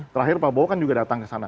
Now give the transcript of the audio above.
terakhir prabowo kan juga datang ke sana